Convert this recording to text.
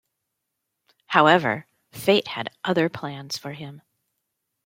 However, fate had other plans for him.